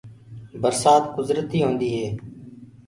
برسآت کُدرتي هوندي هي۔